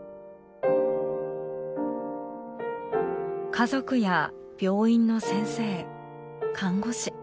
家族や病院の先生看護師。